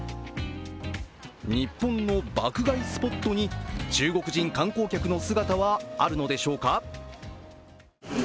日本の爆買いスポットに中国人観光客の姿はあるのでしょうか。